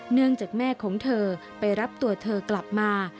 เนื่องจากแม่ของเธอไปรับตัวเธอกลับมา